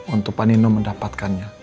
untuk pak nino mendapatkannya